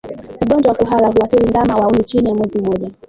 Ugonjwa wa kuhara huathiri ndama wa umri chini ya mwezi mmoja